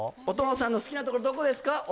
お父さんの好きなところどこですか？